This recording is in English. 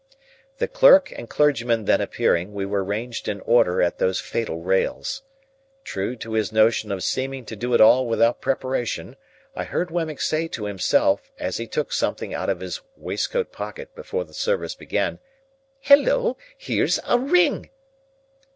The clerk and clergyman then appearing, we were ranged in order at those fatal rails. True to his notion of seeming to do it all without preparation, I heard Wemmick say to himself, as he took something out of his waistcoat pocket before the service began, "Halloa! Here's a ring!"